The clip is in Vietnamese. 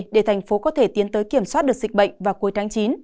để thành phố có thể tiến tới kiểm soát được dịch bệnh vào cuối tháng chín